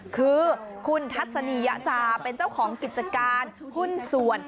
คือคุณทัศนียะจาเป็นเจ้าของกิจการหุ้นส่วน